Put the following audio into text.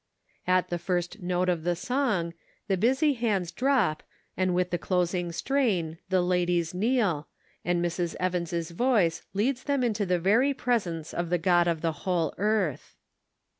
At the first note of the song, the busy hands drop, and with the closing strain the ladies kneel, and Mrs. Evans' voice leads them into the very presence of the God of the whole earth.